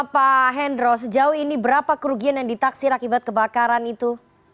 pak hendro sejauh ini berapa kerugian yang ditaksir akibat kebakaran itu